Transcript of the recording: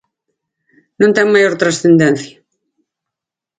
Non ten maior transcendencia.